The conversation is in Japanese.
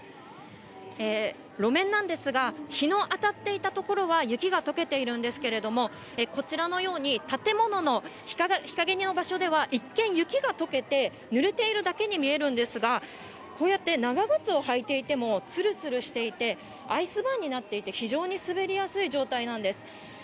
路面なんですが、日の当たっていた所は雪がとけているんですけれども、こちらのように建物の日陰の場所では一見、雪がとけてぬれているだけに見えるんですが、こうやって長靴を履いていても、つるつるしていて、アイスバーンになっていて、非常に滑りやすい状態なんです。